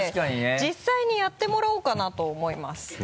実際にやってもらおうかなと思います。